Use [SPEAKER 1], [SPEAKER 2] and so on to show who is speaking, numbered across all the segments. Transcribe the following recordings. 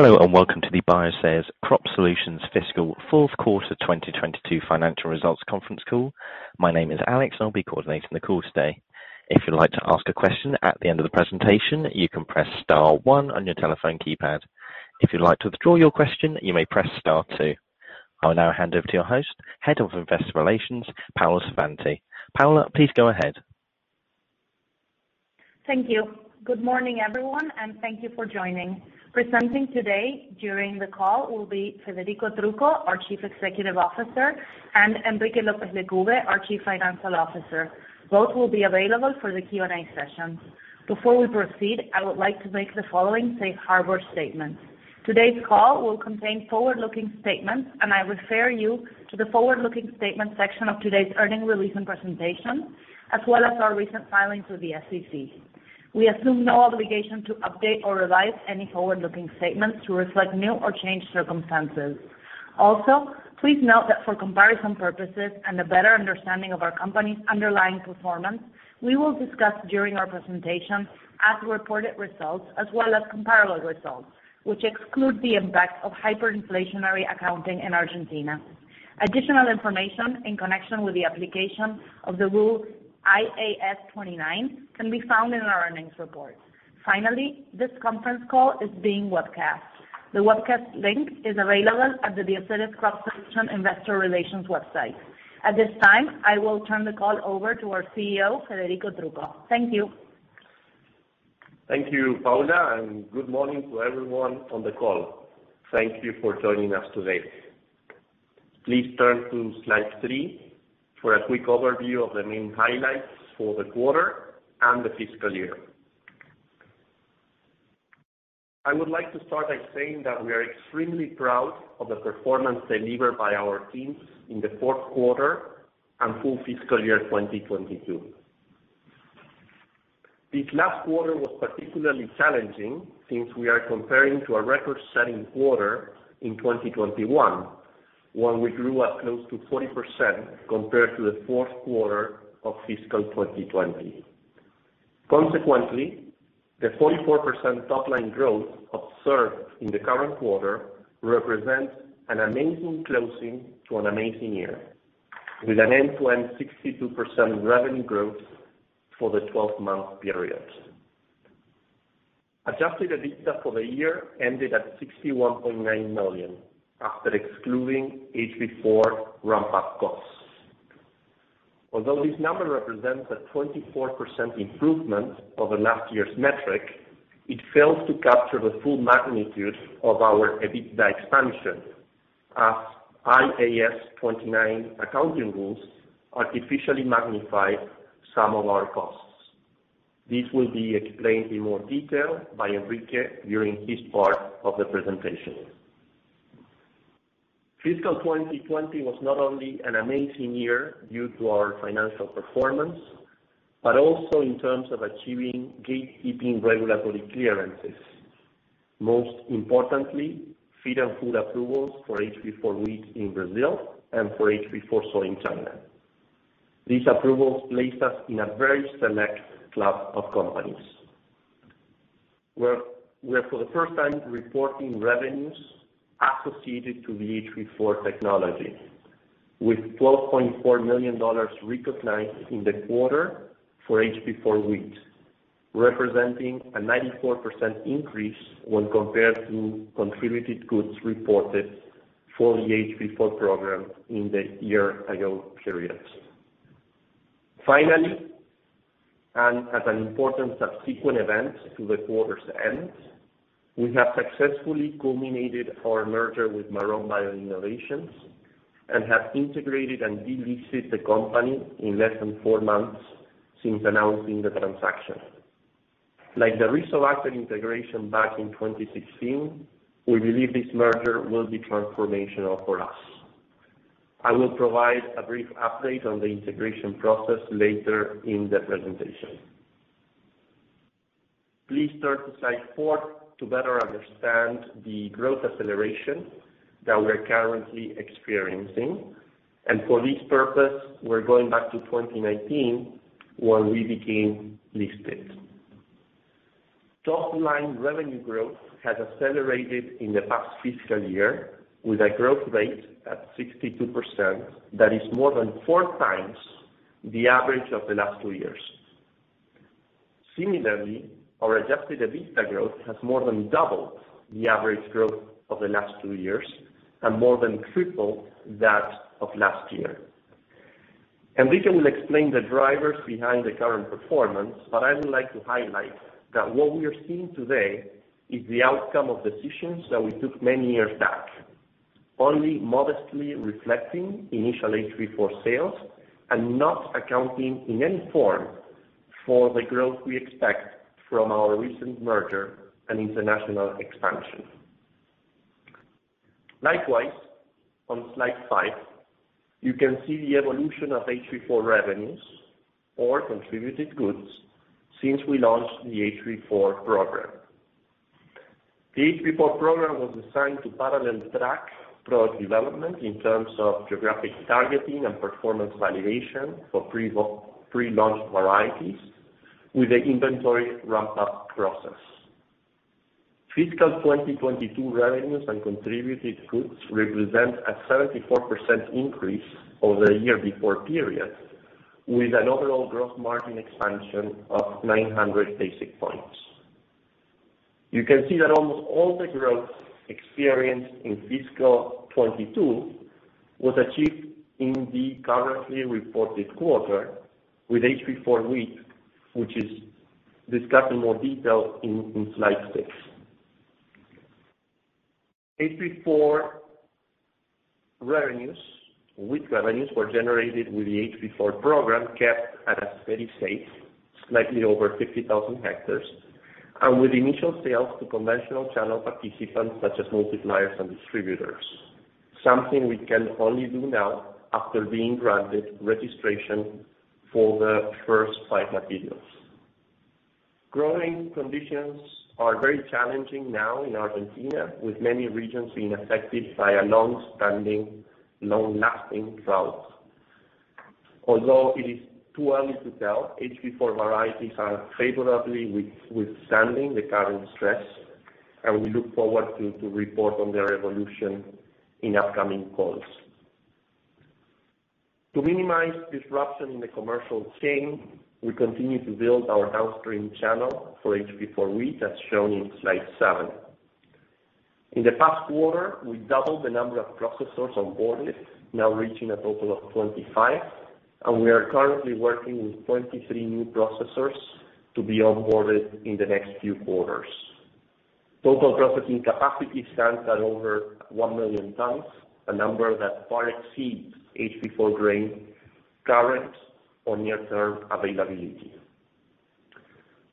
[SPEAKER 1] Hello, and welcome to the Bioceres Crop Solutions Fiscal Fourth Quarter 2022 financial results conference call. My name is Alex, and I'll be coordinating the call today. If you'd like to ask a question at the end of the presentation, you can press star one on your telephone keypad. If you'd like to withdraw your question, you may press star two. I will now hand over to your host, Head of Investor Relations, Paula Savanti. Paula, please go ahead.
[SPEAKER 2] Thank you. Good morning, everyone, and thank you for joining. Presenting today during the call will be Federico Trucco, our Chief Executive Officer, and Enrique López Lecube, our Chief Financial Officer. Both will be available for the Q&A session. Before we proceed, I would like to make the following safe harbor statement. Today's call will contain forward-looking statements, and I refer you to the forward-looking statement section of today's earnings release and presentation, as well as our recent filings with the SEC. We assume no obligation to update or revise any forward-looking statements to reflect new or changed circumstances. Also, please note that for comparison purposes and a better understanding of our company's underlying performance, we will discuss during our presentation as-reported results as well as comparable results, which excludes the impact of hyperinflationary accounting in Argentina. Additional information in connection with the application of the rule IAS 29 can be found in our earnings report. Finally, this conference call is being webcast. The webcast link is available at the Bioceres Crop Solutions Investor Relations website. At this time, I will turn the call over to our CEO, Federico Trucco. Thank you.
[SPEAKER 3] Thank you, Paula, and good morning to everyone on the call. Thank you for joining us today. Please turn to slide three for a quick overview of the main highlights for the quarter and the fiscal year. I would like to start by saying that we are extremely proud of the performance delivered by our teams in the fourth quarter and full fiscal year 2022. This last quarter was particularly challenging since we are comparing to a record-setting quarter in 2021, when we grew up close to 40% compared to the fourth quarter of fiscal 2020. Consequently, the 44% top line growth observed in the current quarter represents an amazing closing to an amazing year, with an end-to-end 62% revenue growth for the twelve-month period. Adjusted EBITDA for the year ended at $61.9 million after excluding HB4 ramp-up costs. Although this number represents a 24% improvement over last year's metric, it fails to capture the full magnitude of our EBITDA expansion as IAS 29 accounting rules artificially magnify some of our costs. This will be explained in more detail by Enrique during his part of the presentation. Fiscal 2020 was not only an amazing year due to our financial performance, but also in terms of achieving gatekeeping regulatory clearances. Most importantly, feed and food approvals for HB4 wheat in Brazil and for HB4 soy in China. These approvals place us in a very select club of companies. We're for the first time reporting revenues associated to the HB4 technology with $12.4 million recognized in the quarter for HB4 wheat, representing a 94% increase when compared to contributed goods reported for the HB4 program in the year ago period. Finally, and as an important subsequent event to the quarter's end, we have successfully culminated our merger with Marrone Bio Innovations and have integrated and delisted the company in less than four months since announcing the transaction. Like the Rizobacter integration back in 2016, we believe this merger will be transformational for us. I will provide a brief update on the integration process later in the presentation. Please turn to slide four to better understand the growth acceleration that we are currently experiencing. For this purpose, we're going back to 2019 when we became listed. Top line revenue growth has accelerated in the past fiscal year with a growth rate at 62% that is more than four times the average of the last two years. Similarly, our adjusted EBITDA growth has more than doubled the average growth of the last two years and more than tripled that of last year. Enrique will explain the drivers behind the current performance, but I would like to highlight that what we are seeing today is the outcome of decisions that we took many years back, only modestly reflecting initial HB4 sales and not accounting in any form for the growth we expect from our recent merger and international expansion. Likewise, on slide five, you can see the evolution of HB4 revenues or contributed goods since we launched the HB4 program. The HB4 program was designed to parallel track product development in terms of geographic targeting and performance validation for pre-launch varieties with the inventory ramp-up process. Fiscal 2022 revenues and contributed goods represent a 74% increase over the year before period, with an overall gross margin expansion of 900 basis points. You can see that almost all the growth experienced in fiscal 2022 was achieved in the currently reported quarter with HB4 wheat, which is discussed in more detail in slide six. HB4 revenues. Wheat revenues were generated with the HB4 program kept at a very safe, slightly over 50,000 hectares, and with initial sales to conventional channel participants such as multipliers and distributors. Something we can only do now after being granted registration for the first five materials. Growing conditions are very challenging now in Argentina, with many regions being affected by a long-standing, long-lasting drought. Although it is too early to tell, HB4 varieties are favorably withstanding the current stress, and we look forward to report on their evolution in upcoming calls. To minimize disruption in the commercial chain, we continue to build our downstream channel for HB4 wheat, as shown in slide seven. In the past quarter, we doubled the number of processors on board, now reaching a total of 25, and we are currently working with 23 new processors to be onboarded in the next few quarters. Total processing capacity stands at over 1 million tons, a number that far exceeds HB4 grain current or near-term availability.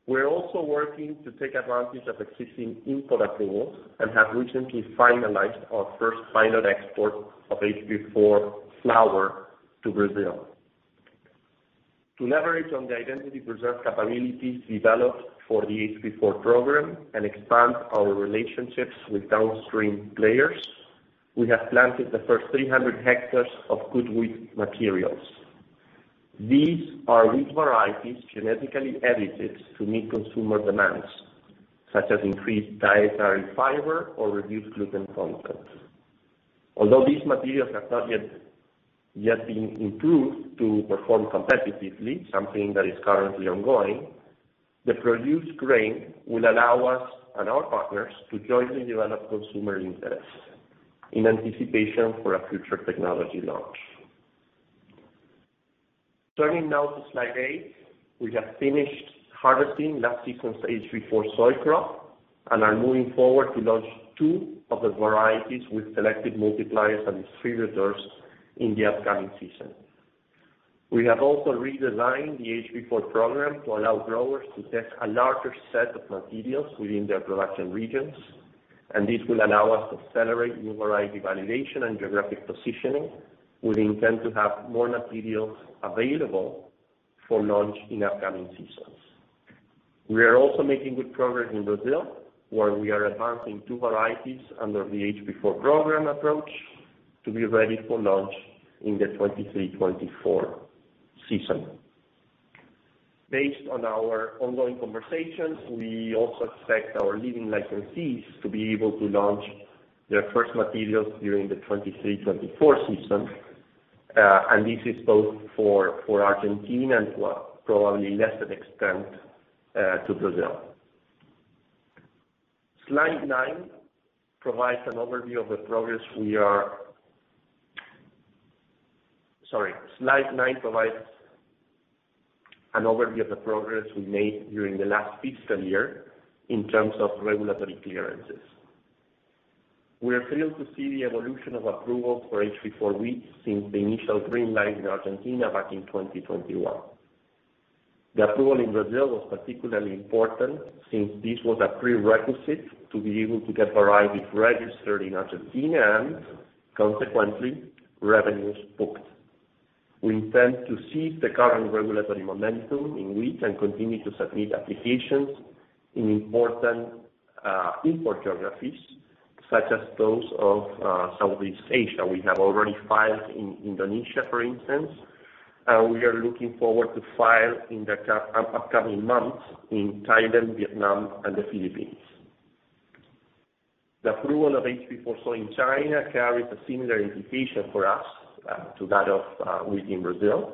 [SPEAKER 3] We're also working to take advantage of existing import approvals and have recently finalized our first final export of HB4 flour to Brazil. To leverage on the identity preserve capabilities developed for the HB4 program and expand our relationships with downstream players, we have planted the first 300 hectares of GoodWheat materials. These are wheat varieties genetically edited to meet consumer demands, such as increased dietary fiber or reduced gluten content. Although these materials have not yet been improved to perform competitively, something that is currently ongoing, the produced grain will allow us and our partners to jointly develop consumer interest in anticipation for a future technology launch. Turning now to slide eight, we have finished harvesting last season's HB4 soy crop and are moving forward to launch two of the varieties with selected multipliers and distributors in the upcoming season. We have also redesigned the HB4 program to allow growers to test a larger set of materials within their production regions, and this will allow us to accelerate new variety validation and geographic positioning, with intent to have more materials available for launch in upcoming seasons. We are also making good progress in Brazil, where we are advancing two varieties under the HB4 program approach to be ready for launch in the 2023-2024 season. Based on our ongoing conversations, we also expect our leading licensees to be able to launch their first materials during the 2023-2024 season. And this is both for Argentina and to a probably lesser extent, to Brazil. Slide nine provides an overview of the progress we made during the last fiscal year in terms of regulatory clearances. We are thrilled to see the evolution of approval for HB4 wheat since the initial green light in Argentina back in 2021. The approval in Brazil was particularly important since this was a prerequisite to be able to get varieties registered in Argentina and consequently, revenues booked. We intend to seize the current regulatory momentum in which and continue to submit applications in important, import geographies such as those of Southeast Asia. We have already filed in Indonesia, for instance, and we are looking forward to file in the upcoming months in Thailand, Vietnam and the Philippines. The approval of HB4 soy in China carries a similar implication for us, to that of wheat in Brazil,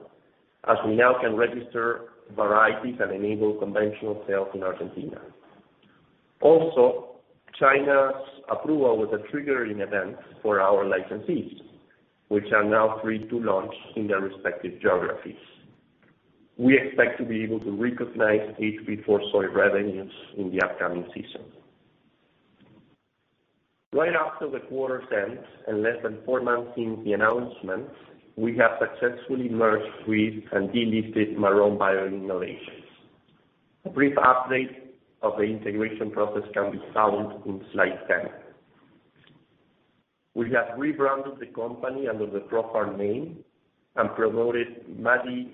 [SPEAKER 3] as we now can register varieties that enable conventional sales in Argentina. Also, China's approval was a triggering event for our licensees, which are now free to launch in their respective geographies. We expect to be able to recognize HB4 soy revenues in the upcoming season. Right after the quarter ends and less than 4 months since the announcement, we have successfully merged with and delisted Marrone Bio Innovations. A brief update of the integration process can be found in slide 10. We have rebranded the company under the ProFarm name and promoted Matti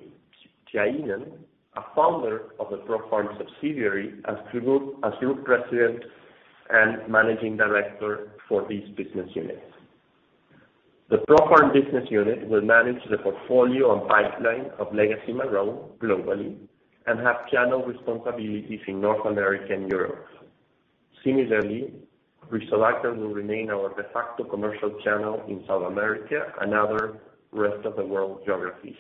[SPEAKER 3] Tiainen, a founder of the ProFarm subsidiary, as group president and managing director for these business units. The ProFarm business unit will manage the portfolio and pipeline of legacy Marrone globally and have channel responsibilities in North America and Europe. Similarly, Rizobacter will remain our de facto commercial channel in South America and other rest-of-the-world geographies.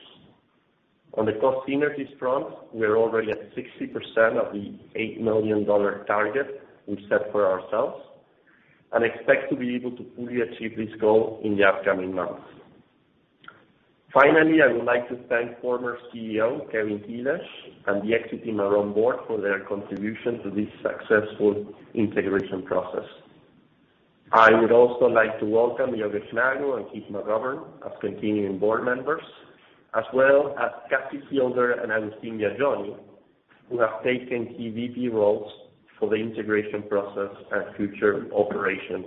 [SPEAKER 3] On the cost synergies front, we are already at 60% of the $8 million target we've set for ourselves and expect to be able to fully achieve this goal in the upcoming months. Finally, I would like to thank former CEO Kevin Helash and the exit team on board for their contribution to this successful integration process. I would also like to welcome Jorge Zago and Keith McGovern as continuing board members, as well as Cassie Hilder and Agustin Vigoni, who have taken EVP roles for the integration process and future operations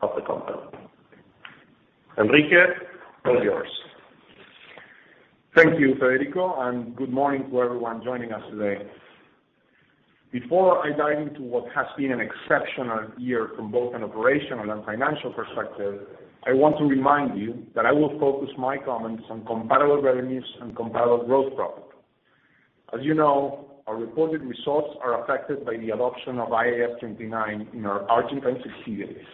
[SPEAKER 3] of the company. Enrique, all yours.
[SPEAKER 4] Thank you, Federico, and good morning to everyone joining us today. Before I dive into what has been an exceptional year from both an operational and financial perspective, I want to remind you that I will focus my comments on comparable revenues and comparable gross profit. As you know, our reported results are affected by the adoption of IAS 29 in our Argentine subsidiaries.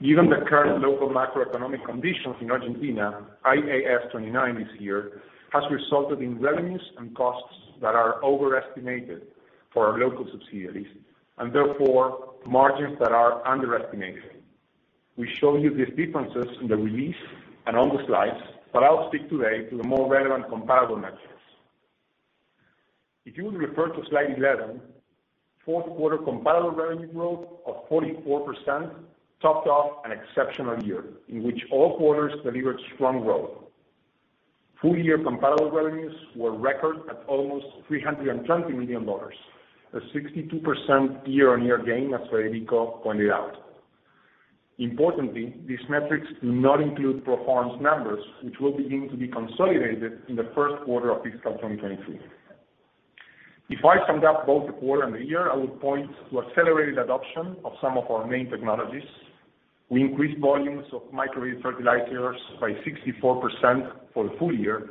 [SPEAKER 4] Given the current local macroeconomic conditions in Argentina, IAS 29 this year has resulted in revenues and costs that are overestimated for our local subsidiaries and therefore margins that are underestimated. We show you these differences in the release and on the slides, but I'll speak today to the more relevant comparable metrics. If you would refer to slide 11, fourth quarter comparable revenue growth of 44% topped off an exceptional year in which all quarters delivered strong growth. Full year comparable revenues were record at almost $320 million, a 62% year-on-year gain, as Federico pointed out. Importantly, these metrics do not include ProFarm's numbers, which will begin to be consolidated in the first quarter of fiscal 2023. If I summed up both the quarter and the year, I would point to accelerated adoption of some of our main technologies. We increased volumes of micro-beaded fertilizers by 64% for the full year.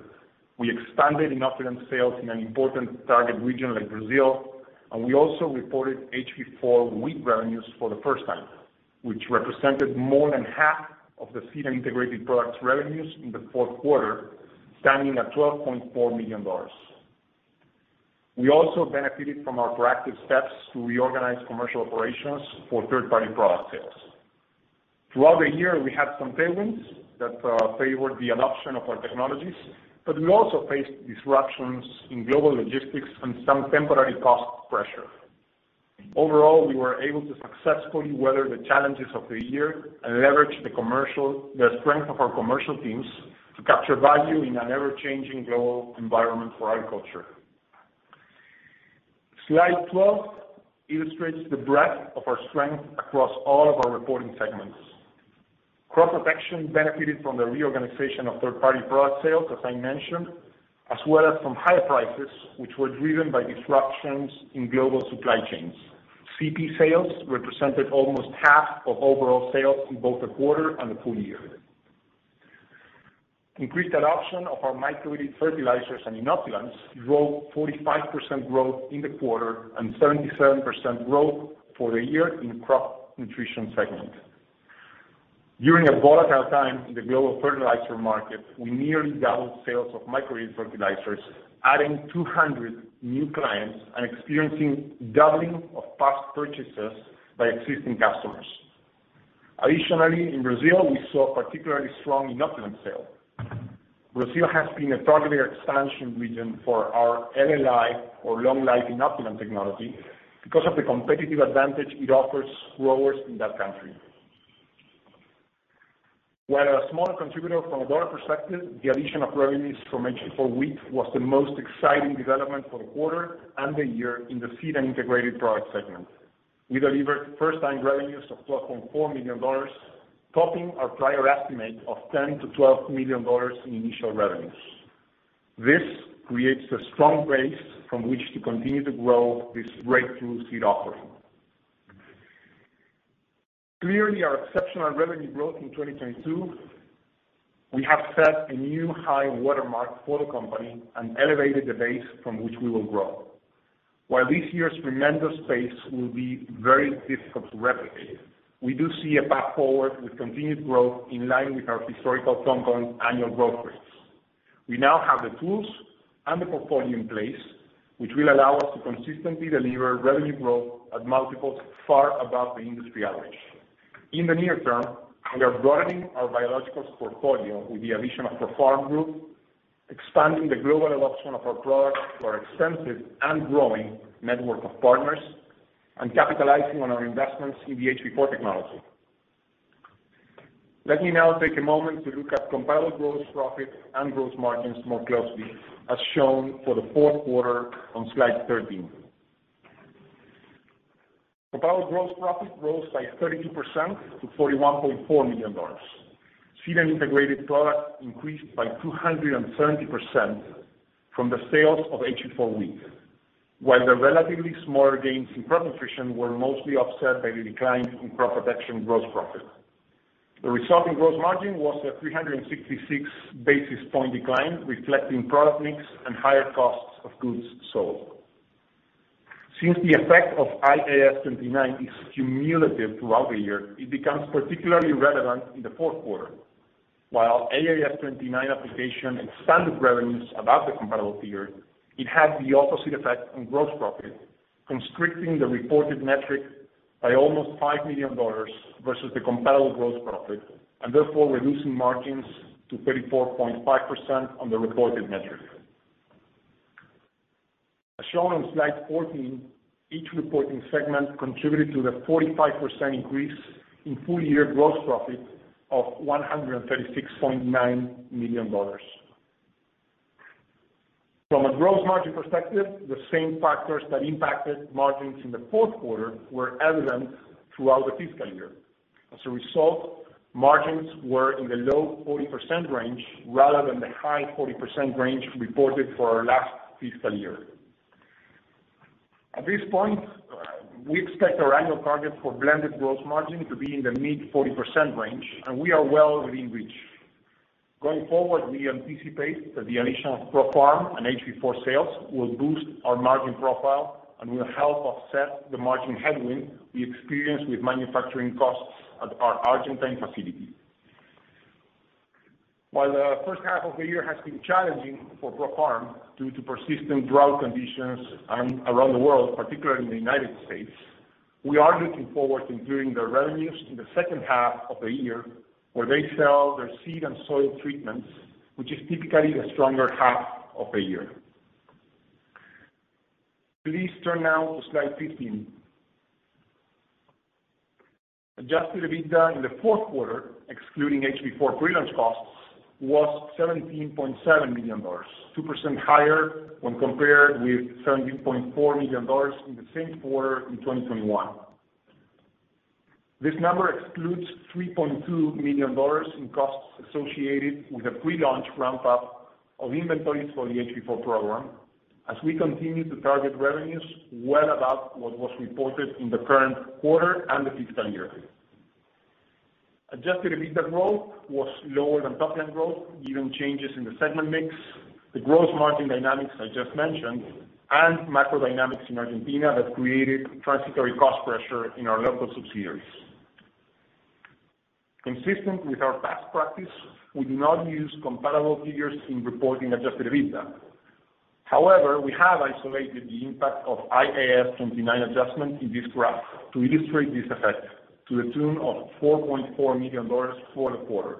[SPEAKER 4] We expanded inoculant sales in an important target region like Brazil. We also reported HB4 wheat revenues for the first time, which represented more than half of the seed and integrated products revenues in the fourth quarter, standing at $12.4 million. We also benefited from our proactive steps to reorganize commercial operations for third-party product sales. Throughout the year, we had some tailwinds that favored the adoption of our technologies, but we also faced disruptions in global logistics and some temporary cost pressure. Overall, we were able to successfully weather the challenges of the year and leverage the strength of our commercial teams to capture value in an ever-changing global environment for agriculture. Slide 12 illustrates the breadth of our strength across all of our reporting segments. Crop protection benefited from the reorganization of third-party product sales, as I mentioned, as well as from higher prices, which were driven by disruptions in global supply chains. CP sales represented almost half of overall sales in both the quarter and the full year. Increased adoption of our micro-beaded fertilizers and inoculants drove 45% growth in the quarter and 77% growth for the year in crop nutrition segment. During a volatile time in the global fertilizer market, we nearly doubled sales of micro-beaded fertilizers, adding 200 new clients and experiencing doubling of past purchases by existing customers. Additionally, in Brazil, we saw particularly strong inoculant sales. Brazil has been a target expansion region for our LLI, or long-life inoculant technology, because of the competitive advantage it offers growers in that country. While a smaller contributor from a dollar perspective, the addition of revenues from HB4 wheat was the most exciting development for the quarter and the year in the seed and integrated product segment. We delivered first-time revenues of $12.4 million, topping our prior estimate of $10 million-$12 million in initial revenues. This creates a strong base from which to continue to grow this breakthrough seed offering. Clearly, our exceptional revenue growth in 2022, we have set a new high watermark for the company and elevated the base from which we will grow. While this year's tremendous pace will be very difficult to replicate, we do see a path forward with continued growth in line with our historical compound annual growth rates. We now have the tools and the portfolio in place, which will allow us to consistently deliver revenue growth at multiples far above the industry average. In the near term, we are broadening our biologicals portfolio with the addition of ProFarm Group, expanding the global adoption of our products to our extensive and growing network of partners, and capitalizing on our investments in the HB4 technology. Let me now take a moment to look at comparable gross profit and gross margins more closely, as shown for the fourth quarter on slide 13. Total gross profit rose by 32% to $41.4 million. Seed and integrated products increased by 270% from the sales of HB4 wheat. While the relatively small gains in crop nutrition were mostly offset by the decline in crop protection gross profit. The resulting gross margin was a 366 basis point decline, reflecting product mix and higher cost of goods sold. Since the effect of IAS 29 is cumulative throughout the year, it becomes particularly relevant in the fourth quarter. While IAS 29 application expanded revenues above the comparable period, it had the opposite effect on gross profit, constricting the reported metric by almost $5 million versus the comparable gross profit, and therefore reducing margins to 34.5% on the reported metric. As shown on slide 14, each reporting segment contributed to the 45% increase in full-year gross profit of $136.9 million. From a gross margin perspective, the same factors that impacted margins in the fourth quarter were evident throughout the fiscal year. As a result, margins were in the low 40% range rather than the high 40% range reported for our last fiscal year. At this point, we expect our annual target for blended gross margin to be in the mid-40% range, and we are well within reach. Going forward, we anticipate that the addition of ProFarm and HB4 sales will boost our margin profile and will help offset the margin headwind we experience with manufacturing costs at our Argentine facility. While the first half of the year has been challenging for ProFarm due to persistent drought conditions around the world, particularly in the United States, we are looking forward to improving their revenues in the second half of the year where they sell their seed and soil treatments, which is typically the stronger half of the year. Please turn now to slide 15. Adjusted EBITDA in the fourth quarter, excluding HB4 pre-launch costs, was $17.7 million, 2% higher when compared with $17.4 million in the same quarter in 2021. This number excludes $3.2 million in costs associated with the pre-launch ramp-up of inventories for the HB4 program, as we continue to target revenues well above what was reported in the current quarter and the fiscal year. Adjusted EBITDA growth was lower than top line growth given changes in the segment mix, the gross margin dynamics I just mentioned, and macro dynamics in Argentina that created transitory cost pressure in our local subsidiaries. Consistent with our past practice, we do not use comparable figures in reporting adjusted EBITDA. However, we have isolated the impact of IAS 29 adjustment in this graph to illustrate this effect to the tune of $4.4 million for the quarter.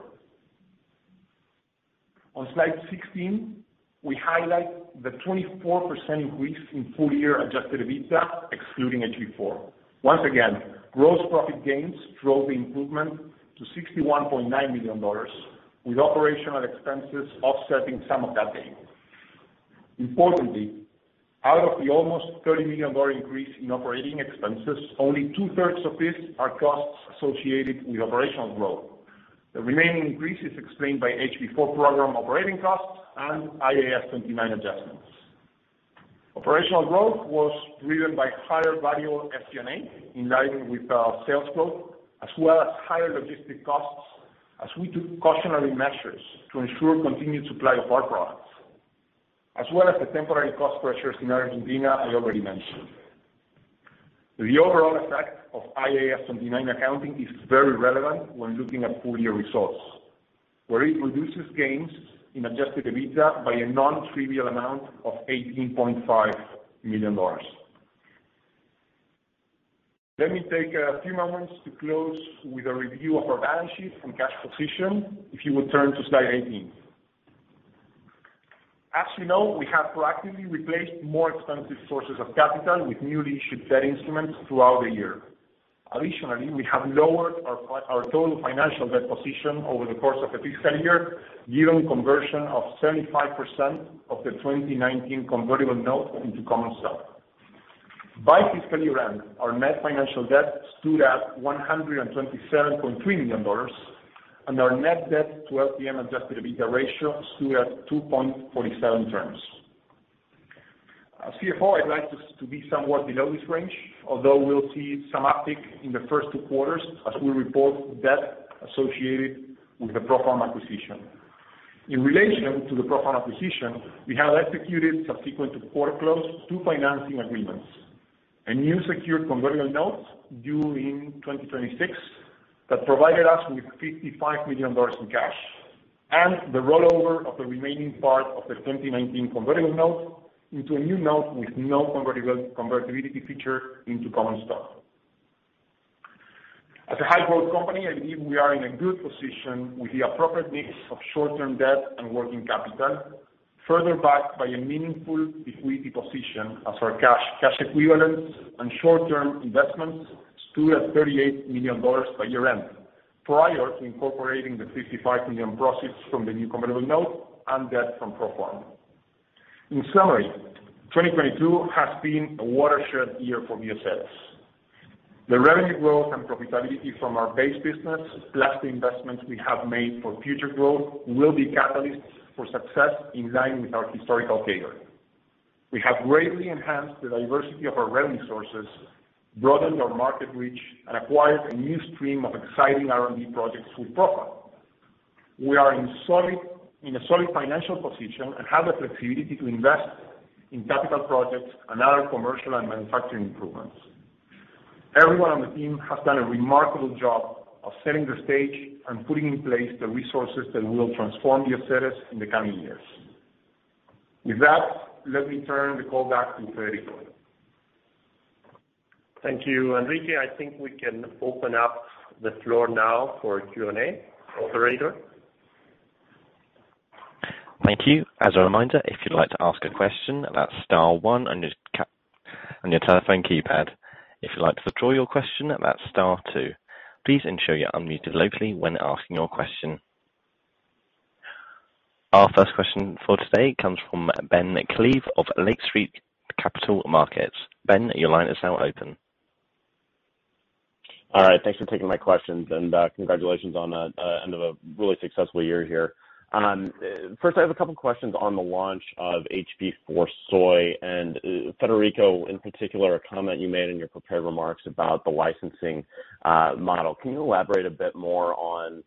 [SPEAKER 4] On slide 16, we highlight the 24% increase in full year adjusted EBITDA excluding HB4. Once again, gross profit gains drove the improvement to $61.9 million, with operational expenses offsetting some of that gain. Importantly, out of the almost $30 million increase in operating expenses, only 2/3 of this are costs associated with operational growth. The remaining increase is explained by HB4 program operating costs and IAS 29 adjustments. Operational growth was driven by higher variable SG&A in line with our sales growth, as well as higher logistic costs as we took cautionary measures to ensure continued supply of our products. The temporary cost pressures in Argentina I already mentioned. The overall effect of IAS 29 accounting is very relevant when looking at full year results, where it reduces gains in adjusted EBITDA by a non-trivial amount of $18.5 million. Let me take a few moments to close with a review of our balance sheet and cash position if you would turn to slide 18. As you know, we have proactively replaced more expensive sources of capital with newly issued debt instruments throughout the year. Additionally, we have lowered our total financial debt position over the course of the fiscal year, given conversion of 75% of the 2019 convertible notes into common stock. By fiscal year-end, our net financial debt stood at $127.3 million, and our net debt to adjusted EBITDA ratio stood at 2.47x. As CFO, I'd like this to be somewhat below this range, although we'll see some uptick in the first two quarters as we report debt associated with the ProFarm acquisition. In relation to the ProFarm acquisition, we have executed subsequent to quarter close two financing agreements. A new secured convertible note due in 2026 that provided us with $55 million in cash, and the rollover of the remaining part of the 2019 convertible note into a new note with no convertibility feature into common stock. As a high-growth company, I believe we are in a good position with the appropriate mix of short-term debt and working capital, further backed by a meaningful liquidity position as our cash equivalents and short-term investments stood at $38 million by year-end. Prior to incorporating the $55 million proceeds from the new convertible note and debt from ProFarm. In summary, 2022 has been a watershed year for Bioceres. The revenue growth and profitability from our base business, plus the investments we have made for future growth, will be catalysts for success in line with our historical data. We have greatly enhanced the diversity of our revenue sources, broadened our market reach, and acquired a new stream of exciting R&D projects through ProFarm. We are in a solid financial position and have the flexibility to invest in capital projects and other commercial and manufacturing improvements. Everyone on the team has done a remarkable job of setting the stage and putting in place the resources that will transform Bioceres in the coming years. With that, let me turn the call back to Federico.
[SPEAKER 3] Thank you, Enrique. I think we can open up the floor now for Q&A. Operator?
[SPEAKER 1] Thank you. As a reminder, if you'd like to ask a question, that's star one on your telephone keypad. If you'd like to withdraw your question, that's star two. Please ensure you're unmuted locally when asking your question. Our first question for today comes from Ben Klieve of Lake Street Capital Markets. Ben, your line is now open.
[SPEAKER 5] All right. Thanks for taking my questions. Congratulations on an end of a really successful year here. First, I have a couple of questions on the launch of HB4 Soy. Federico, in particular, a comment you made in your prepared remarks about the licensing model. Can you elaborate a bit more on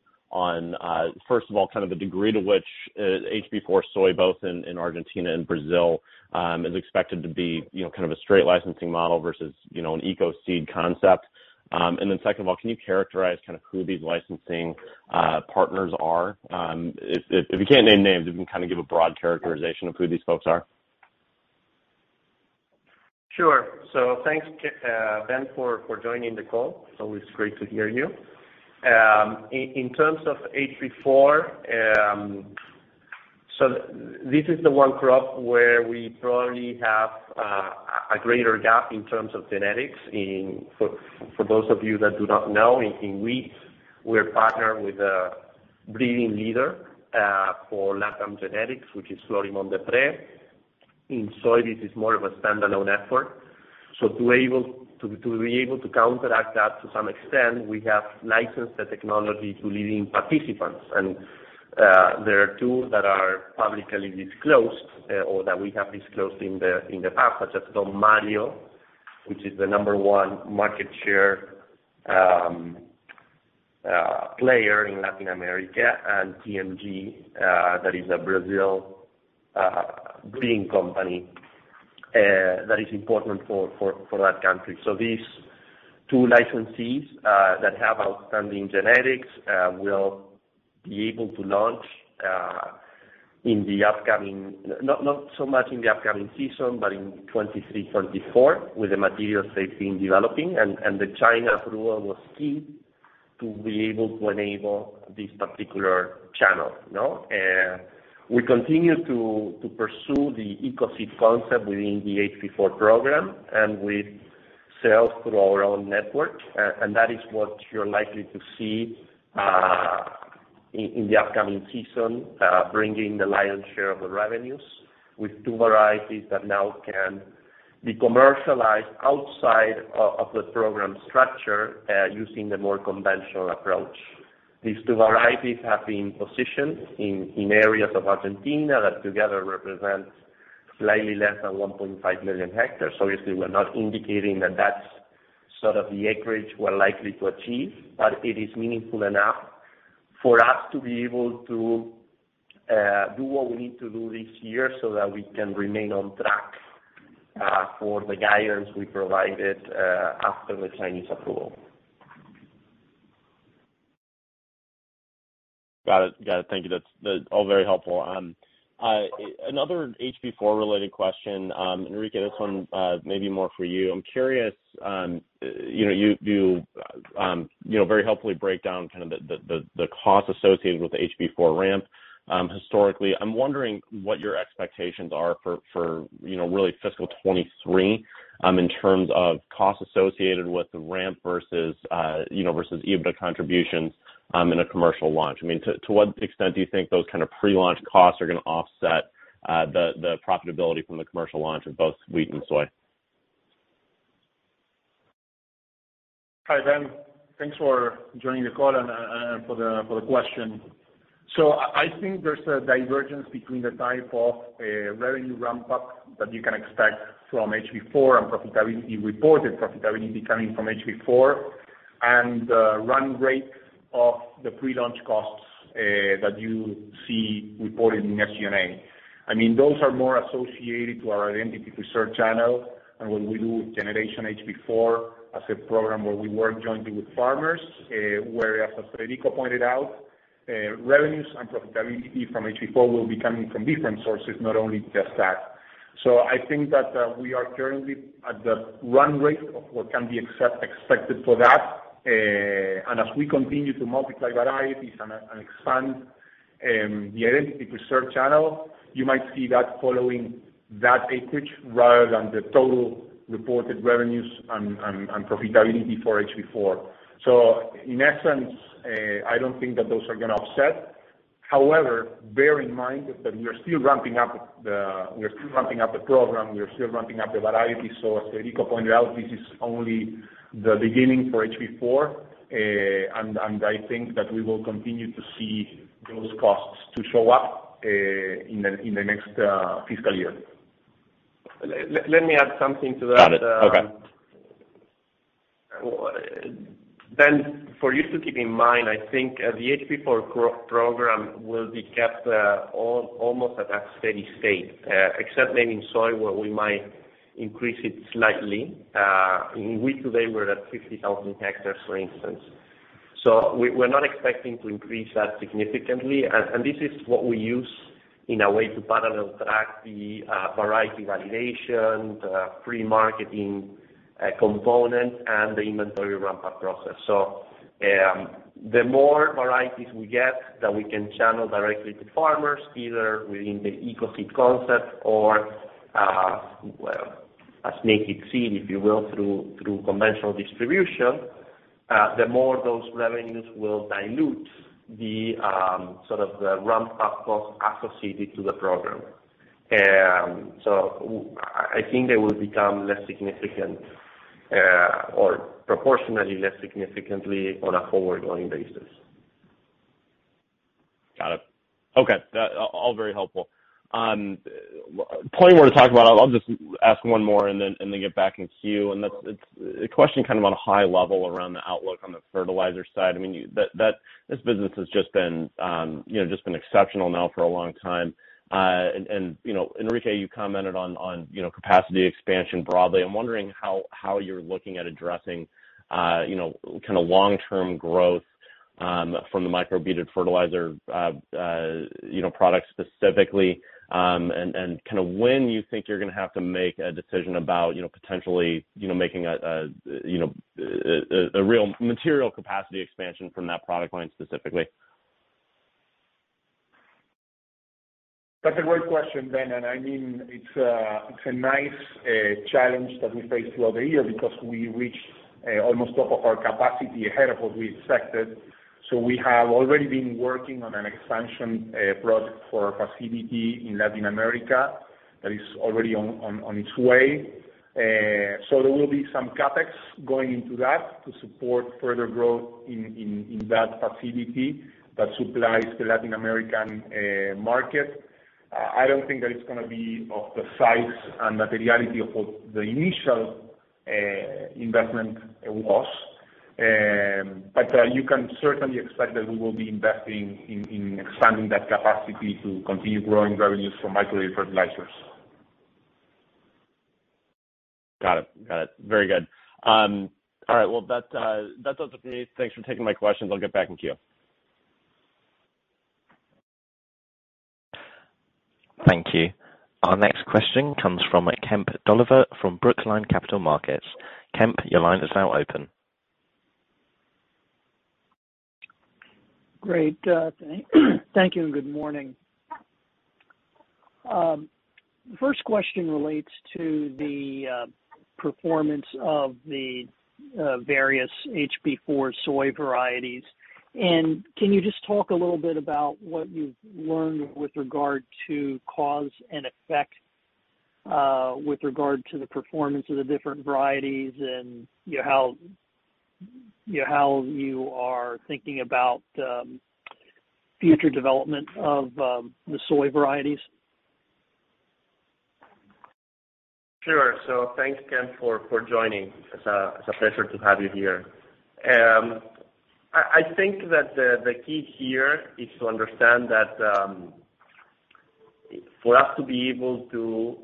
[SPEAKER 5] first of all, kind of the degree to which HB4 Soy, both in Argentina and Brazil, is expected to be, you know, kind of a straight licensing model versus, you know, an EcoSeed concept? Second of all, can you characterize kind of who these licensing partners are? If you can't name names, you can kind of give a broad characterization of who these folks are.
[SPEAKER 3] Sure. Thanks, Ben, for joining the call. It's always great to hear you. In terms of HB4, this is the one crop where we probably have a greater gap in terms of genetics. For those of you that do not know, in wheat, we're partnered with a breeding leader for LatAm genetics, which is Florimond Desprez. In soy, this is more of a standalone effort. To be able to counteract that to some extent, we have licensed the technology to leading participants. There are two that are publicly disclosed or that we have disclosed in the past, such as Don Mario, which is the number one market share player in Latin America, and TMG, that is a Brazil breeding company, that is important for that country. These two licensees that have outstanding genetics will be able to launch in the upcoming—not so much in the upcoming season, but in 2023, 2024, with the material they've been developing. The China approval was key to be able to enable this particular channel, you know. We continue to pursue the EcoSeed concept within the HB4 program and with sales through our own network. That is what you're likely to see in the upcoming season, bringing the lion's share of the revenues with two varieties that now can be commercialized outside of the program structure, using the more conventional approach. These two varieties have been positioned in areas of Argentina that together represent slightly less than 1.5 million hectares. Obviously, we're not indicating that that's sort of the acreage we're likely to achieve, but it is meaningful enough for us to be able to do what we need to do this year so that we can remain on track for the guidance we provided after the Chinese approval.
[SPEAKER 5] Got it. Thank you. That's all very helpful. Another HB4 related question. Enrique, this one may be more for you. I'm curious, you know, you do very helpfully break down kind of the costs associated with the HB4 ramp historically. I'm wondering what your expectations are for really fiscal 2023 in terms of costs associated with the ramp versus EBITDA contributions in a commercial launch. I mean, to what extent do you think those kind of pre-launch costs are gonna offset the profitability from the commercial launch of both wheat and soy?
[SPEAKER 4] Hi, Ben. Thanks for joining the call and for the question. I think there's a divergence between the type of revenue ramp-up that you can expect from HB4 and profitability reported, profitability becoming from HB4, and run rate of the pre-launch costs that you see reported in SG&A. I mean, those are more associated to our R&D research channel and when we do generation HB4 as a program where we work jointly with farmers, whereas as Federico pointed out, revenues and profitability from HB4 will be coming from different sources, not only just that. I think that we are currently at the run rate of what can be expected for that. As we continue to multiply varieties and expand and the identity preserved channel, you might see that following that acreage rather than the total reported revenues and profitability for HB4. In essence, I don't think that those are gonna offset. However, bear in mind that we are still ramping up the program, we are still ramping up the variety. As Enrique pointed out, this is only the beginning for HB4. I think that we will continue to see those costs show up in the next fiscal year.
[SPEAKER 3] Let me add something to that.
[SPEAKER 5] Got it. Okay.
[SPEAKER 3] Well, for you to keep in mind, I think, the HB4 program will be kept almost at a steady state, except maybe in soy, where we might increase it slightly. In wheat today we're at 50,000 hectares, for instance. We're not expecting to increase that significantly. This is what we use in a way to parallel track the variety validation, the pre-marketing component and the inventory ramp-up process. The more varieties we get that we can channel directly to farmers, either within the EcoSeed concept or, well, as naked seed, if you will, through conventional distribution, the more those revenues will dilute the sort of the ramp-up costs associated to the program. I think they will become less significant or proportionally less significant on a forward-going basis.
[SPEAKER 5] Got it. Okay. That all very helpful. Plenty more to talk about. I'll just ask one more and then get back in queue. That's it's a question kind of on a high level around the outlook on the fertilizer side. I mean, that this business has just been exceptional now for a long time. You know, Enrique, you commented on you know, capacity expansion broadly. I'm wondering how you're looking at addressing you know, kinda long-term growth from the micro-beaded fertilizer you know, product specifically, and kinda when you think you're gonna have to make a decision about you know, potentially, you know, making a real material capacity expansion from that product line specifically?
[SPEAKER 4] That's a great question, Ben. I mean, it's a nice challenge that we face throughout the year because we reached almost top of our capacity ahead of what we expected. We have already been working on an expansion project for our facility in Latin America that is already on its way. There will be some CapEx going into that to support further growth in that facility that supplies the Latin American market. I don't think that it's gonna be of the size and materiality of what the initial investment was. You can certainly expect that we will be investing in expanding that capacity to continue growing revenues from micro fertilizers.
[SPEAKER 5] Got it. Very good. All right, well, that's all for me. Thanks for taking my questions. I'll get back in queue.
[SPEAKER 1] Thank you. Our next question comes from Kemp Dolliver from Brookline Capital Markets. Kemp, your line is now open.
[SPEAKER 6] Great, thank you and good morning. First question relates to the performance of the various HB4 soy varieties. Can you just talk a little bit about what you've learned with regard to cause and effect with regard to the performance of the different varieties and, you know, how you are thinking about future development of the soy varieties?
[SPEAKER 3] Sure. Thanks again for joining. It's a pleasure to have you here. I think that the key here is to understand that for us to be able to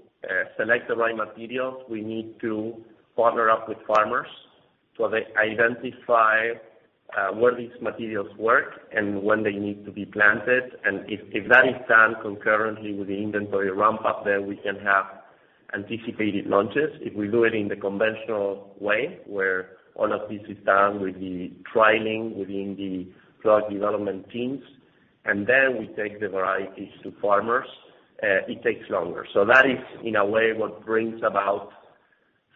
[SPEAKER 3] select the right materials, we need to partner up with farmers so they identify where these materials work and when they need to be planted. If that is done concurrently with the inventory ramp up, then we can have anticipated launches. If we do it in the conventional way, where all of this is done with the trialing within the product development teams, and then we take the varieties to farmers, it takes longer. That is, in a way, what brings about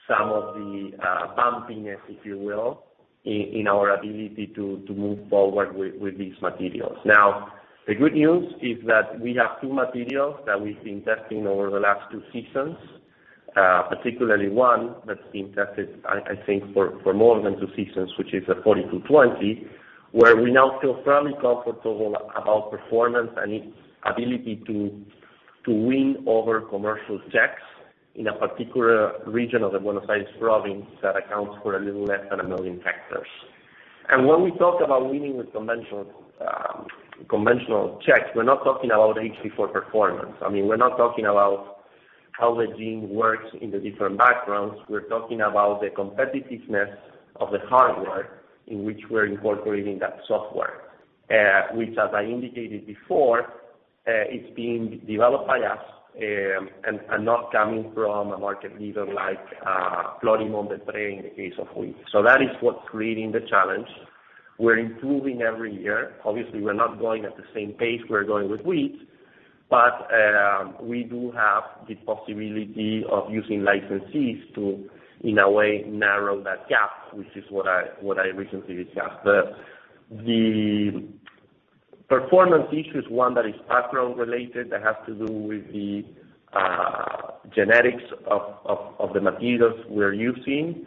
[SPEAKER 3] some of the bumpiness, if you will, in our ability to move forward with these materials. Now, the good news is that we have two materials that we've been testing over the last two seasons, particularly one that's been tested, I think for more than two seasons, which is 4020, where we now feel fairly comfortable about performance and its ability to win over commercial checks in a particular region of the Buenos Aires province that accounts for a little less than 1 million hectares. When we talk about winning with conventional conventional checks, we're not talking about HB4 performance. I mean, we're not talking about how the gene works in the different backgrounds. We're talking about the competitiveness of the hardware in which we're incorporating that software, which as I indicated before, it's being developed by us, and not coming from a market leader like Florimond Desprez in the case of wheat. That is what's creating the challenge. We're improving every year. Obviously, we're not going at the same pace we're going with wheat, but we do have the possibility of using licensees to, in a way, narrow that gap, which is what I recently discussed. The performance issue is one that is factually related, that has to do with the genetics of the materials we're using.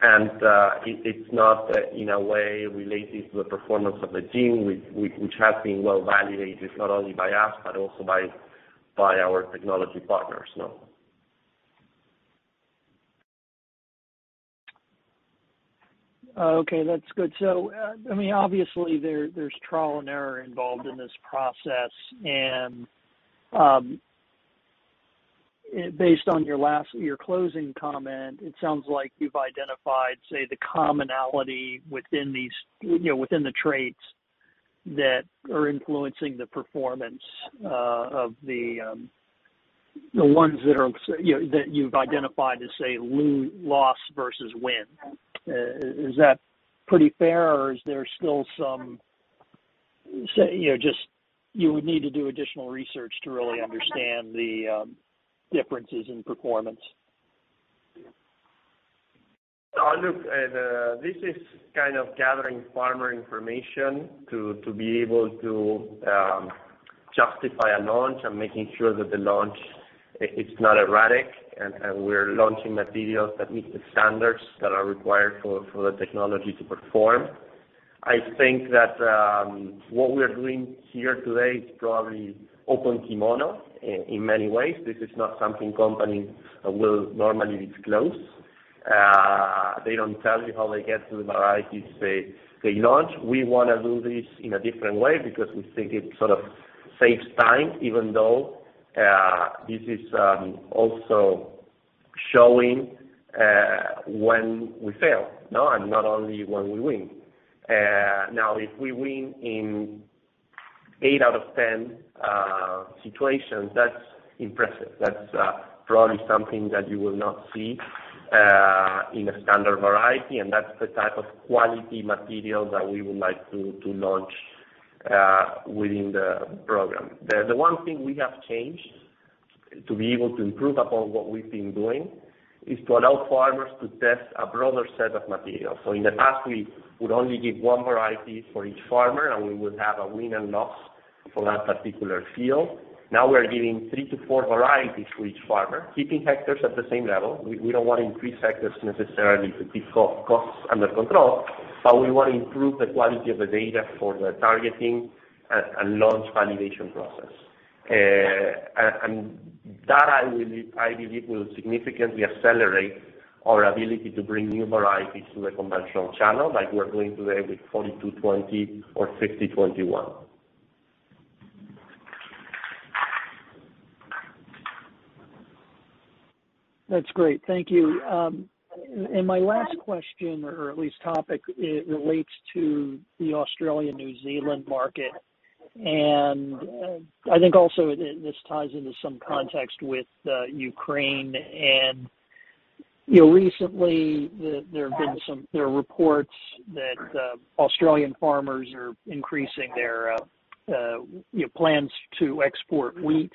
[SPEAKER 3] It's not in a way related to the performance of the gene, which has been well validated, not only by us, but also by our technology partners.
[SPEAKER 6] Okay, that's good. I mean, obviously, there's trial and error involved in this process. Based on your closing comment, it sounds like you've identified, say, the commonality within these, you know, within the traits that are influencing the performance of the ones that you know, that you've identified as, say, loss versus win. Is that pretty fair, or is there still some, say, you know, just you would need to do additional research to really understand the differences in performance?
[SPEAKER 3] Look, this is kind of gathering farmer information to be able to justify a launch and making sure that the launch it's not erratic, and we're launching materials that meet the standards that are required for the technology to perform. I think that what we are doing here today is probably open kimono in many ways. This is not something companies will normally disclose. They don't tell you how they get to the varieties they launch. We wanna do this in a different way because we think it sort of saves time, even though this is also showing when we fail and not only when we win. Now, if we win in eight out of ten situations, that's impressive. That's probably something that you will not see in a standard variety, and that's the type of quality material that we would like to launch within the program. The one thing we have changed to be able to improve upon what we've been doing is to allow farmers to test a broader set of materials. In the past, we would only give 1 variety for each farmer, and we would have a win and loss for that particular field. Now, we're giving 3-4 varieties to each farmer, keeping hectares at the same level. We don't want to increase hectares necessarily to keep costs under control, but we want to improve the quality of the data for the targeting and launch validation process. that I believe will significantly accelerate our ability to bring new varieties to the conventional channel like we're doing today with 4220 or 5021.
[SPEAKER 6] That's great. Thank you. My last question, or at least topic, it relates to the Australia-New Zealand market. I think also this ties into some context with Ukraine. You know, recently there are reports that Australian farmers are increasing their you know, plans to export wheat,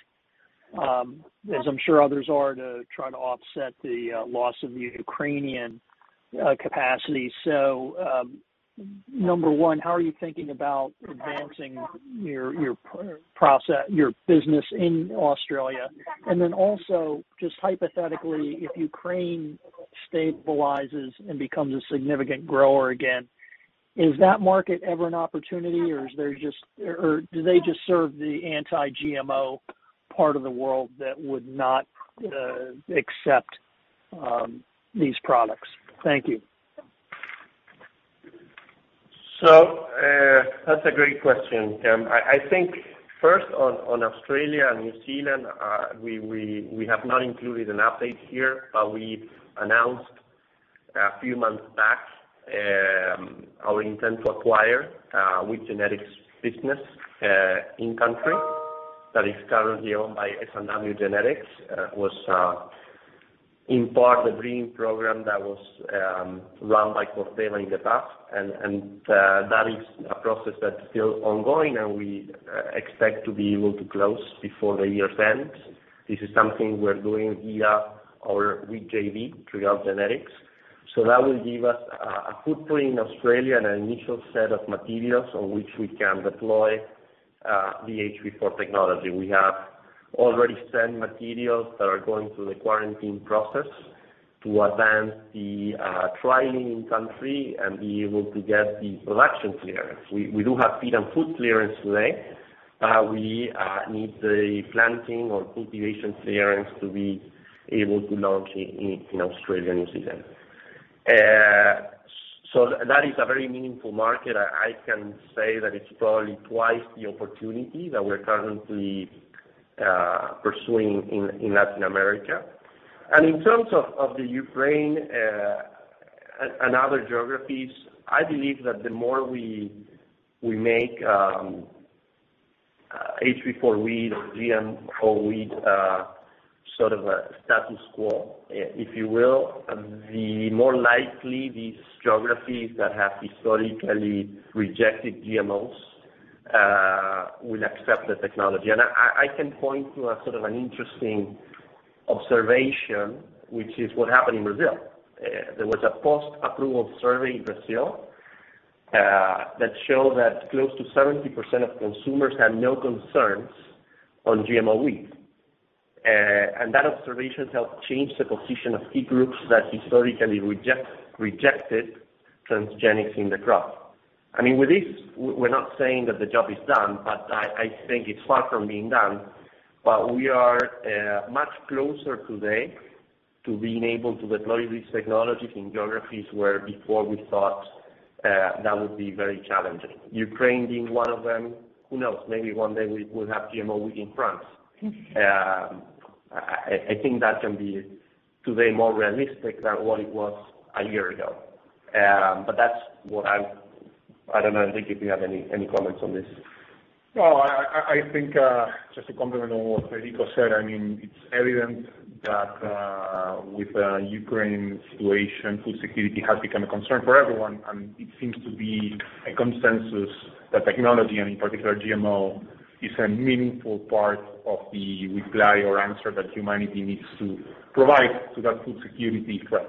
[SPEAKER 6] as I'm sure others are, to try to offset the loss of the Ukrainian capacity. Number one, how are you thinking about advancing your progress, your business in Australia? Then also, just hypothetically, if Ukraine stabilizes and becomes a significant grower again, is that market ever an opportunity, or do they just serve the anti-GMO part of the world that would not accept these products? Thank you.
[SPEAKER 3] That's a great question, Kemp. I think first on Australia and New Zealand, we have not included an update here, but we announced a few months back our intent to acquire Wheat Genetics business in country that is currently owned by S&W Genetics, was in part the breeding program that was run by Corteva in the past. That is a process that's still ongoing, and we expect to be able to close before the year ends. This is something we're doing via our Wheat JV, Trigall Genetics. That will give us a footprint in Australia and an initial set of materials on which we can deploy the HB4 technology. We have already sent materials that are going through the quarantine process to advance the trialing in country and be able to get the production clearance. We do have feed and food clearance today. We need the planting or cultivation clearance to be able to launch in Australia and New Zealand. So that is a very meaningful market. I can say that it's probably twice the opportunity that we're currently pursuing in Latin America. In terms of the Ukraine and other geographies. I believe that the more we make HB4 wheat or GMO wheat sort of a status quo, if you will, the more likely these geographies that have historically rejected GMOs will accept the technology. I can point to a sort of an interesting observation, which is what happened in Brazil. There was a post-approval survey in Brazil that showed that close to 70% of consumers had no concerns on GMO wheat. That observation helped change the position of key groups that historically rejected transgenics in the crop. I mean, with this, we're not saying that the job is done, but I think it's far from being done. We are much closer today to being able to deploy these technologies in geographies where before we thought that would be very challenging. Ukraine being one of them. Who knows, maybe one day we will have GMO wheat in France. I think that can be today more realistic than what it was a year ago. That's what I don't know, Enrique, if you have any comments on this.
[SPEAKER 4] No, I think just to complement on what Federico said. I mean, it's evident that with the Ukraine situation, food security has become a concern for everyone, and it seems to be a consensus that technology, and in particular GMO, is a meaningful part of the reply or answer that humanity needs to provide to that food security threat.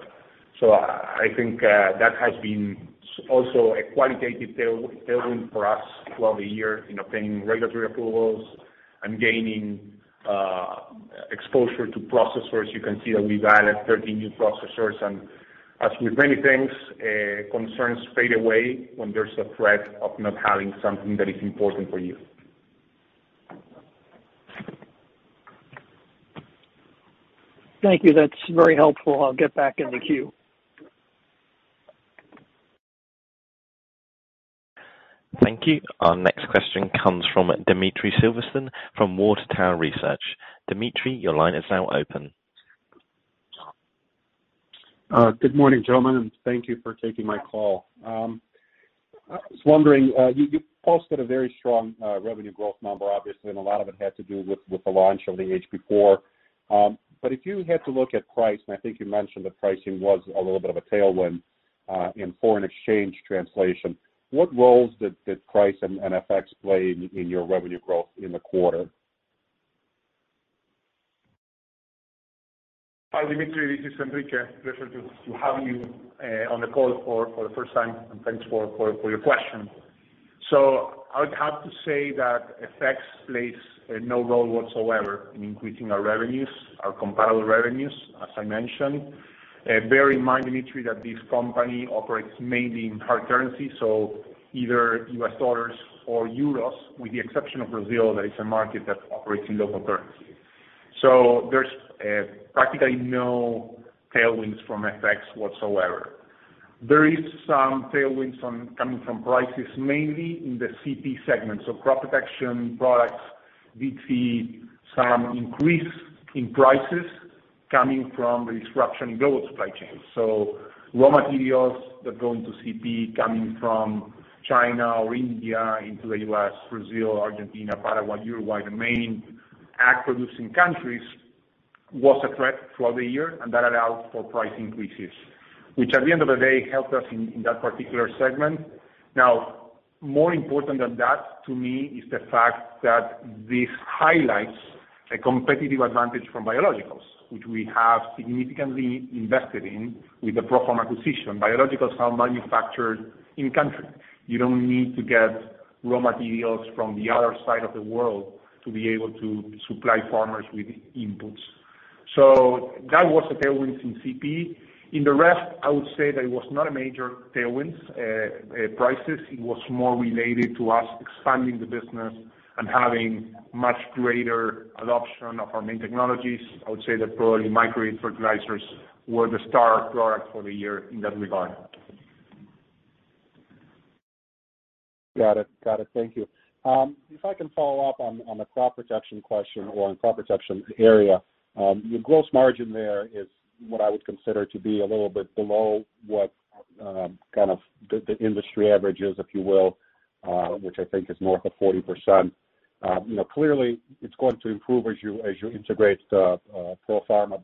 [SPEAKER 4] I think that has been also a qualitative tailwind for us throughout the year in obtaining regulatory approvals and gaining exposure to processors. You can see that we've added 13 new processors. As with many things, concerns fade away when there's a threat of not having something that is important for you.
[SPEAKER 6] Thank you. That's very helpful. I'll get back in the queue.
[SPEAKER 1] Thank you. Our next question comes from Dmitry Silversteyn from Water Tower Research. Dmitry, your line is now open.
[SPEAKER 7] Good morning, gentlemen, and thank you for taking my call. I was wondering, you posted a very strong revenue growth number, obviously, and a lot of it had to do with the launch of the HB4. If you had to look at price, and I think you mentioned that pricing was a little bit of a tailwind, in foreign exchange translation, what roles did price and FX play in your revenue growth in the quarter?
[SPEAKER 4] Hi, Dmitry Silversteyn. This is Enrique. Pleasure to have you on the call for the first time, and thanks for your question. I would have to say that FX plays no role whatsoever in increasing our revenues, our comparable revenues, as I mentioned. Bear in mind, Dmitry Silversteyn, that this company operates mainly in hard currency, so either US dollars or euros, with the exception of Brazil, that is a market that operates in local currency. There's practically no tailwinds from FX whatsoever. There is some tailwinds from prices, mainly in the CP segment. Crop Protection products did see some increase in prices coming from the disruption in global supply chains. Raw materials that go into CP coming from China or India into the U.S., Brazil, Argentina, Paraguay, Uruguay, the main ag producing countries, was a threat throughout the year, and that allowed for price increases, which at the end of the day, helped us in that particular segment. Now, more important than that, to me, is the fact that this highlights a competitive advantage from biologicals, which we have significantly invested in with the ProFarm acquisition. Biologicals are manufactured in country. You don't need to get raw materials from the other side of the world to be able to supply farmers with inputs. That was the tailwinds in CP. In the rest, I would say there was not a major tailwinds, prices. It was more related to us expanding the business and having much greater adoption of our main technologies. I would say that probably micro fertilizers were the star product for the year in that regard.
[SPEAKER 7] Got it. Thank you. If I can follow up on the crop protection question or on crop protection area. Your gross margin there is what I would consider to be a little bit below what kind of the industry average is, if you will, which I think is north of 40%. You know, clearly it's going to improve as you integrate ProFarm.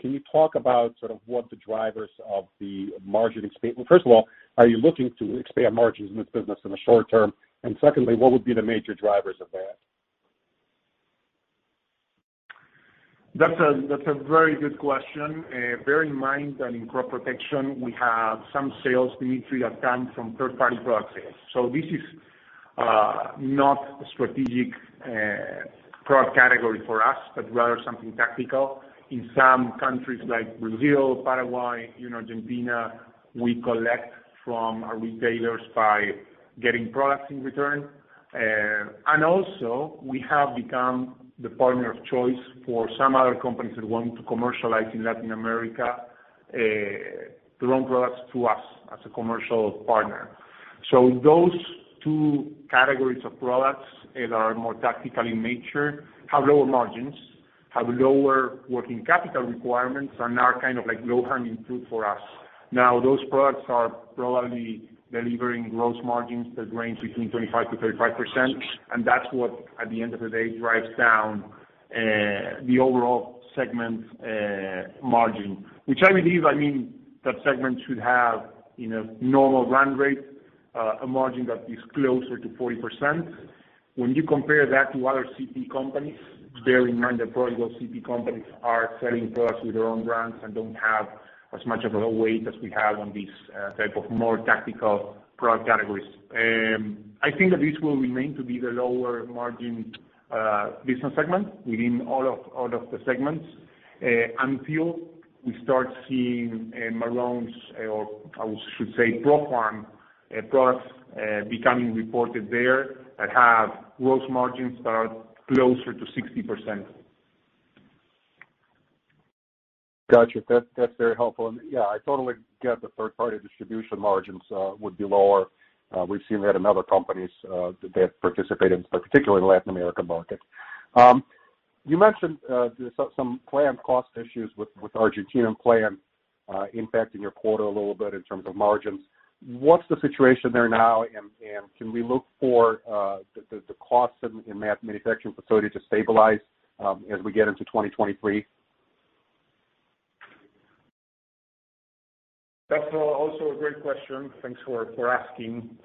[SPEAKER 7] Can you talk about sort of what the drivers of the margin well, first of all, are you looking to expand margins in this business in the short term? Secondly, what would be the major drivers of that?
[SPEAKER 4] That's a very good question. Bear in mind that in Crop Protection we have some sales, Dmitry, that come from third-party product sales. This is not a strategic product category for us, but rather something tactical. In some countries like Brazil, Paraguay, you know, Argentina, we collect from our retailers by getting products in return. Also we have become the partner of choice for some other companies that want to commercialize in Latin America their own products to us as a commercial partner. Those two categories of products that are more tactical in nature have lower margins, have lower working capital requirements, and are kind of like low-hanging fruit for us. Now, those products are probably delivering gross margins that range between 25%-35%, and that's what, at the end of the day, drives down the overall segment margin. Which I believe, I mean, that segment should have, in a normal run rate, a margin that is closer to 40%. When you compare that to other CP companies, bear in mind that probably those CP companies are selling to us with their own brands and don't have as much of a weight as we have on these type of more tactical product categories. I think that this will remain to be the lower margin business segment within all of the segments until we start seeing Marrone's, or I should say ProFarm, products becoming reported there that have gross margins that are closer to 60%.
[SPEAKER 7] Gotcha. That's very helpful. Yeah, I totally get the third-party distribution margins would be lower. We've seen that in other companies that participate, particularly in Latin American markets. You mentioned some plant cost issues with the plant in Argentina impacting your quarter a little bit in terms of margins. What's the situation there now and can we look for the costs in that manufacturing facility to stabilize as we get into 2023?
[SPEAKER 4] That's also a great question. Thanks for asking.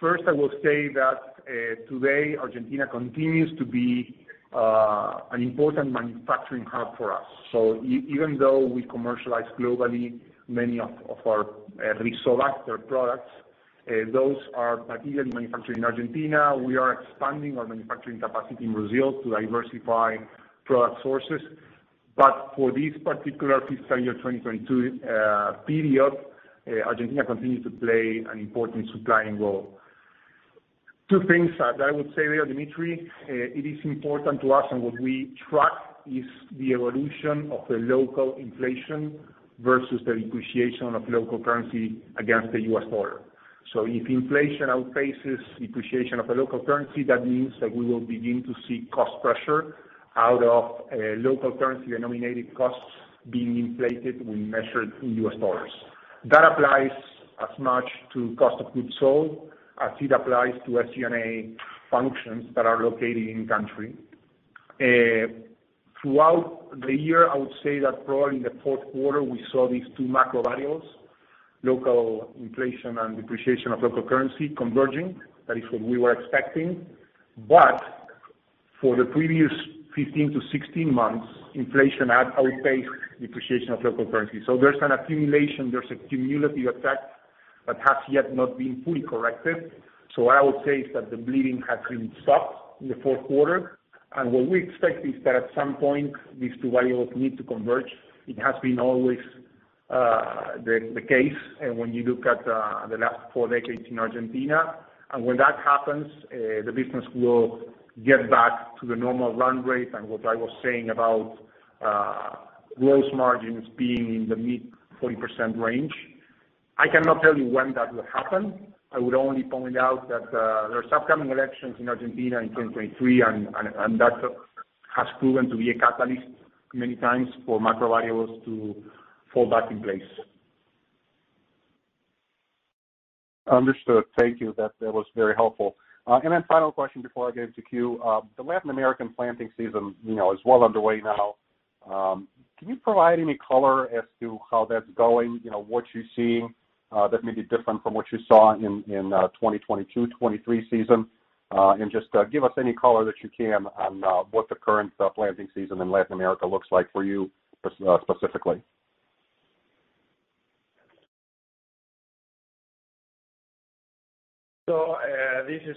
[SPEAKER 4] First, I will say that today, Argentina continues to be an important manufacturing hub for us. Even though we commercialize globally many of our Rizobacter products, those are primarily manufactured in Argentina. We are expanding our manufacturing capacity in Brazil to diversify product sources. For this particular fiscal year 2022 period, Argentina continues to play an important supplying role. Two things that I would say there, Dmitry. It is important to us, and what we track is the evolution of the local inflation versus the depreciation of local currency against the U.S. dollar. If inflation outpaces depreciation of the local currency, that means that we will begin to see cost pressure out of local currency denominated costs being inflated when measured in U.S. dollars. That applies as much to cost of goods sold as it applies to SG&A functions that are located in country. Throughout the year, I would say that probably in the fourth quarter, we saw these two macro variables, local inflation and depreciation of local currency converging. That is what we were expecting. For the previous 15-16 months, inflation had outpaced depreciation of local currency. There's an accumulation, there's a cumulative effect that has yet not been fully corrected. What I would say is that the bleeding has been stopped in the fourth quarter. What we expect is that at some point, these two variables need to converge. It has been always the case when you look at the last four decades in Argentina. When that happens, the business will get back to the normal run rate and what I was saying about, gross margins being in the mid 40% range. I cannot tell you when that will happen. I would only point out that, there's upcoming elections in Argentina in 2023, and that has proven to be a catalyst many times for macro variables to fall back in place.
[SPEAKER 7] Understood. Thank you. That was very helpful. Final question before I give it to queue. The Latin American planting season, you know, is well underway now. Can you provide any color as to how that's going, you know, what you're seeing, that may be different from what you saw in 2022, 2023 season? Just give us any color that you can on what the current planting season in Latin America looks like for you specifically.
[SPEAKER 3] This is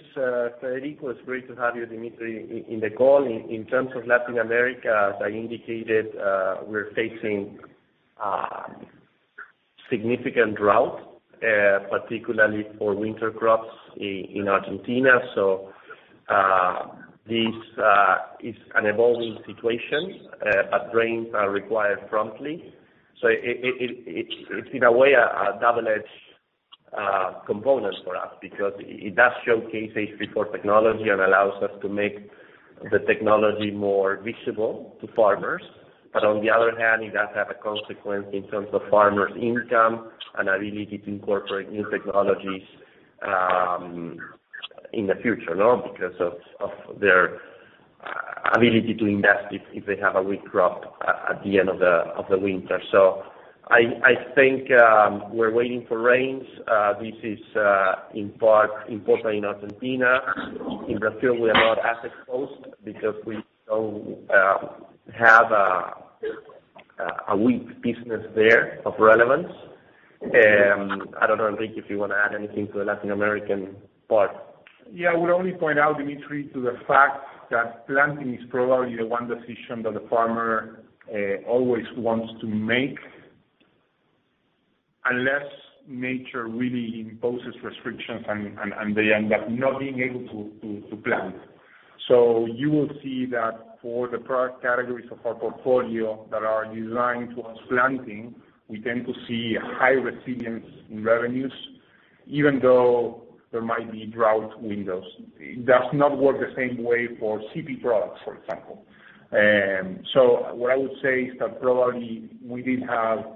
[SPEAKER 3] Federico. It's great to have you, Dmitry, on the call. In terms of Latin America, as I indicated, we're facing significant drought, particularly for winter crops in Argentina. This is an evolving situation. Rains are required promptly. It's in a way a double-edged component for us because it does showcase HB4 technology and allows us to make the technology more visible to farmers. On the other hand, it does have a consequence in terms of farmers' income and ability to incorporate new technologies in the future, no? Because of their ability to invest if they have a weak crop at the end of the winter. I think we're waiting for rains. This is in part important in Argentina. In Brazil, we are not as exposed because we don't have a weak business there of relevance. I don't know, Enrique, if you want to add anything to the Latin American part.
[SPEAKER 4] Yeah. I would only point out, Dmitry, to the fact that planting is probably the one decision that the farmer always wants to make, unless nature really imposes restrictions and they end up not being able to plant. You will see that for the product categories of our portfolio that are designed towards planting, we tend to see high resilience in revenues even though there might be drought windows. It does not work the same way for CP products, for example. What I would say is that probably we did have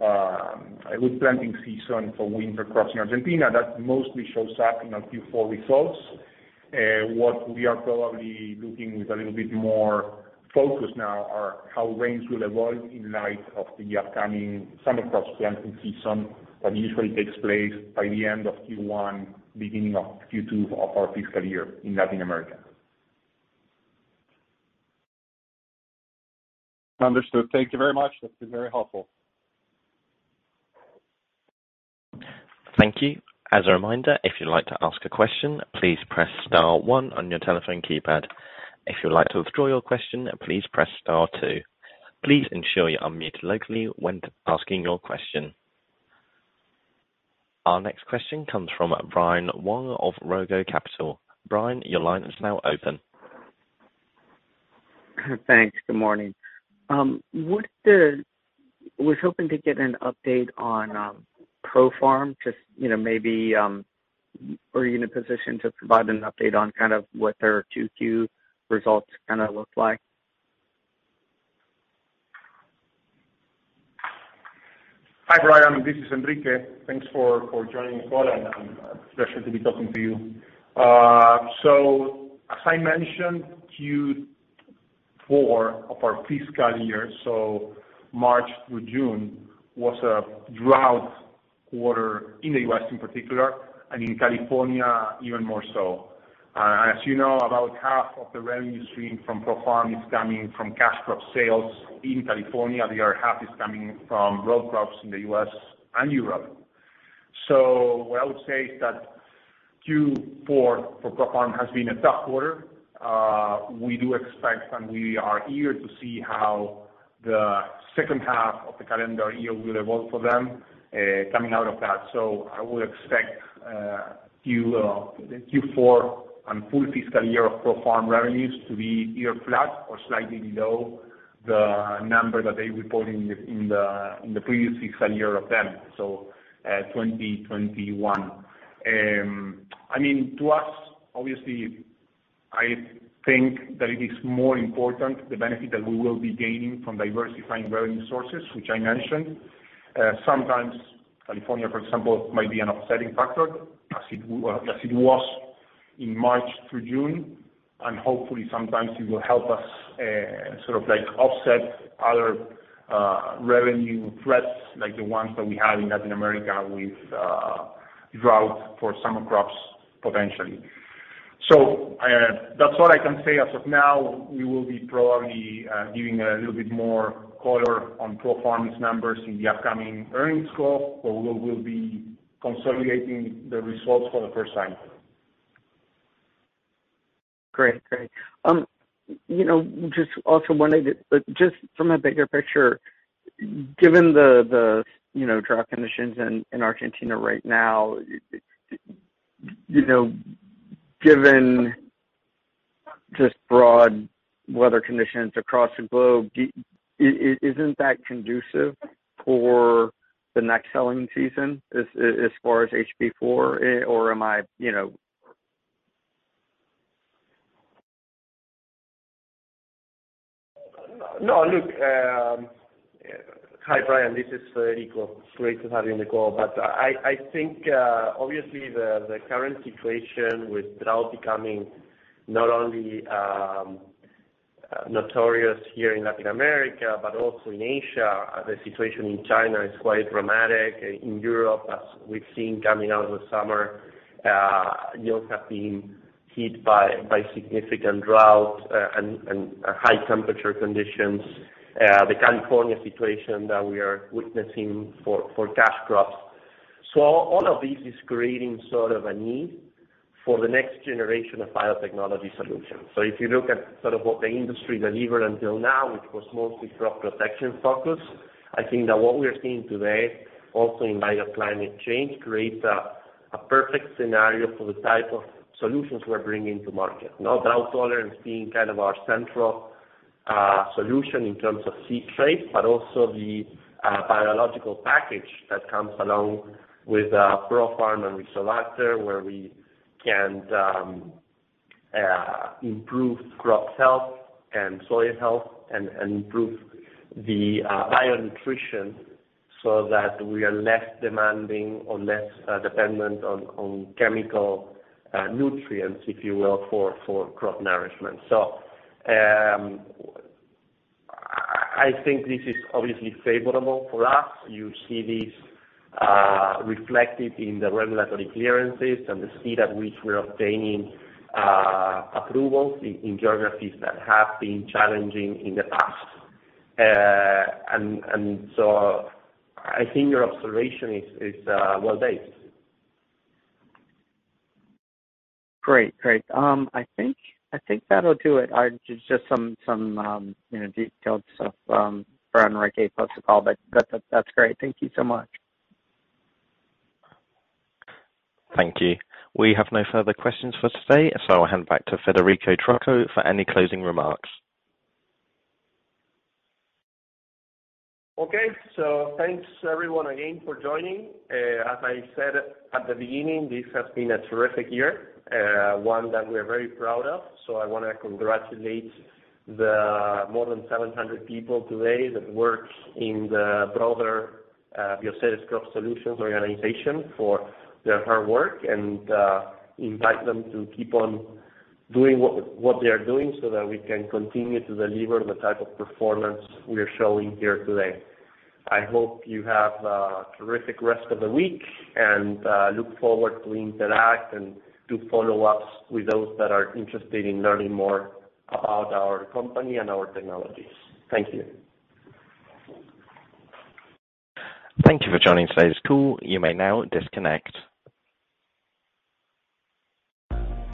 [SPEAKER 4] a good planting season for winter crops in Argentina. That mostly shows up in our Q4 results. What we are probably looking at with a little bit more focus now are how rains will evolve in light of the upcoming summer crops planting season that usually takes place by the end of Q1, beginning of Q2 of our fiscal year in Latin America.
[SPEAKER 7] Understood. Thank you very much. This has been very helpful.
[SPEAKER 1] Thank you. As a reminder, if you'd like to ask a question, please press star one on your telephone keypad. If you'd like to withdraw your question, please press star two. Please ensure you unmute locally when asking your question. Our next question comes from Brian Wright of Roth Capital. Brian, your line is now open.
[SPEAKER 8] Thanks. Good morning. Was hoping to get an update on ProFarm. Just, you know, maybe, are you in a position to provide an update on kind of what their 2Q results kinda look like?
[SPEAKER 4] Hi, Brian. This is Enrique. Thanks for joining the call, and pleasure to be talking to you. As I mentioned, Q4 of our fiscal year, so March through June, was a drought quarter in the U.S. in particular, and in California even more so. As you know, about half of the revenue stream from ProFarm is coming from cash crop sales in California. The other half is coming from row crops in the U.S. and Europe. What I would say is that Q4 for ProFarm has been a tough quarter. We do expect, and we are eager to see how the second half of the calendar year will evolve for them, coming out of that. I would expect Q4 and full fiscal year of ProFarm revenues to be flat or slightly below the number that they report in the previous fiscal year of them, 2021. I mean, to us, obviously, I think that it is more important the benefit that we will be gaining from diversifying revenue sources, which I mentioned. Sometimes California, for example, might be an upsetting factor as it was in March through June, and hopefully sometimes it will help us, sort of like offset other revenue threats like the ones that we had in Latin America with drought for summer crops potentially. That's all I can say. As of now, we will be probably giving a little bit more color on ProFarm's numbers in the upcoming earnings call, where we will be consolidating the results for the first time.
[SPEAKER 8] Great. You know, just also wondering, just from a bigger picture, given the you know, drought conditions in Argentina right now, you know, given just broad weather conditions across the globe, isn't that conducive for the next selling season as far as HB4? Or am I, you know?
[SPEAKER 4] No, look.
[SPEAKER 3] Hi, Brian. This is Federico. Great to have you on the call. I think obviously the current situation with drought becoming not only notorious here in Latin America but also in Asia, the situation in China is quite dramatic. In Europe, as we've seen coming out of the summer, yields have been hit by significant drought and high temperature conditions. The California situation that we are witnessing for cash crops. All of this is creating sort of a need for the next generation of biotechnology solutions. If you look at sort of what the industry delivered until now, which was mostly crop protection focus, I think that what we are seeing today also in light of climate change creates a perfect scenario for the type of solutions we're bringing to market. Now, drought tolerance being kind of our central solution in terms of seed traits, but also the biological package that comes along with ProFarm and Rizobacter where we can improve crop health and soil health and improve the bio nutrition so that we are less demanding or less dependent on chemical nutrients, if you will, for crop nourishment. I think this is obviously favorable for us. You see this reflected in the regulatory clearances and the speed at which we're obtaining approvals in geographies that have been challenging in the past. I think your observation is well-based.
[SPEAKER 8] Great. I think that'll do it. Just some, you know, detailed stuff for Enrique post the call, but that's great. Thank you so much.
[SPEAKER 1] Thank you. We have no further questions for today, so I'll hand back to Federico Trucco for any closing remarks.
[SPEAKER 3] Okay. Thanks everyone again for joining. As I said at the beginning, this has been a terrific year, one that we're very proud of. I wanna congratulate the more than 700 people today that work in the broader Bioceres Crop Solutions organization for their hard work and invite them to keep on doing what they are doing so that we can continue to deliver the type of performance we are showing here today. I hope you have a terrific rest of the week, and look forward to interact and do follow-ups with those that are interested in learning more about our company and our technologies. Thank you.
[SPEAKER 1] Thank you for joining today's call. You may now disconnect.